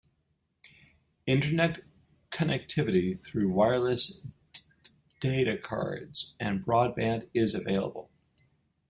Internet connectivity through wireless datacards and Broadband is available.